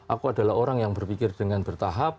aku adalah orang yang berpikir dengan bertahap